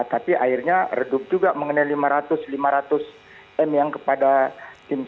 tapi akhirnya redup juga mengenai lima ratus lima ratus m yang kepada tim